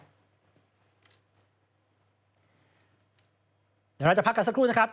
เดี๋ยวเราจะพักกันสักครู่นะครับ